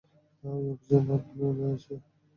ওই অফিসারের নাম মনে আছে?